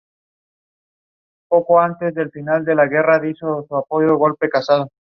Este error pondrá de cabeza la vida de ambas familias.